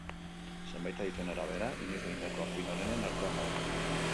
Zenbait adituen arabera, inoiz egindako film onenen artean dago.